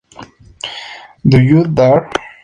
Do You Dare?